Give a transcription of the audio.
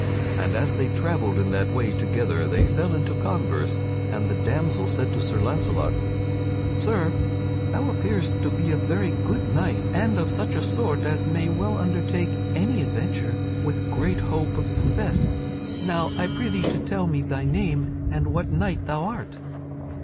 And as they travelled in that way together they fell into converse, and the damsel said to Sir Launcelot: "Sir, thou appearest to be a very good knight, and of such a sort as may well undertake any adventure with great hope of success. Now I prithee to tell me thy name and what knight thou art."